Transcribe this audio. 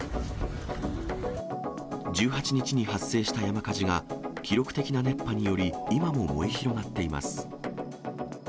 １８日に発生した山火事が、記録的な熱波により、今も燃え広がっています。